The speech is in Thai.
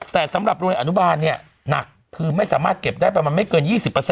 แต่สำหรับโรงเรียนอนุบาลเนี่ยหนักคือไม่สามารถเก็บได้ประมาณไม่เกิน๒๐